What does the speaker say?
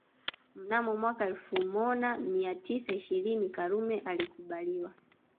Mnamo mwaka elfu Mona mia tisa ishirini Karume alikubaliwa